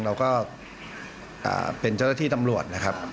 เราก็เป็นเจ้าหน้าที่ตำรวจนะครับ